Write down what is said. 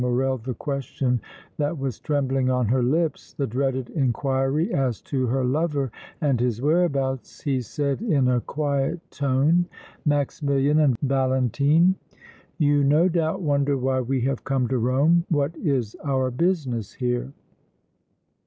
Morrel the question that was trembling on her lips, the dreaded inquiry as to her lover and his whereabouts, he said, in a quiet tone: "Maximilian and Valentine, you, no doubt, wonder why we have come to Rome, what is our business here.